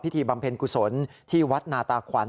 บำเพ็ญกุศลที่วัดนาตาขวัญ